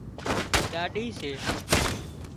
ڏاڏِي سي